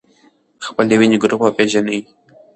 خپل د وینې ګروپ وپېژنئ.